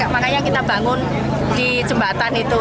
makanya kita bangun di jembatan itu